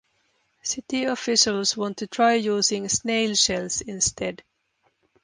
City officials want to try using snail shells instead.